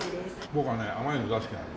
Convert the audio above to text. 僕はね甘いの大好きなのよ。